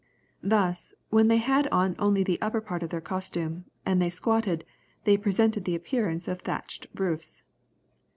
Thus, when they had on only the upper part of their costume, and they squatted, they presented the appearance of thatched roofs.